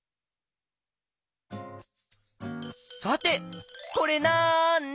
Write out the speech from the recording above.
さてこれなんだ？